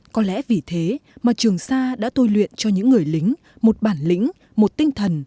có lẽ vì thế mà trường sa đã tôi luyện cho những người lính một bản lĩnh một tinh thần